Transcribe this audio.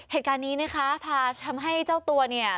เหตุการณ์นี้นะคะพาทำให้เจ้าตัวเนี่ย